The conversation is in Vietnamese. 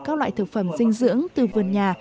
các loại thực phẩm dinh dưỡng từ vườn nhà